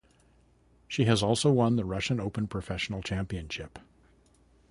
She has also won the Russian Open Professional Championship.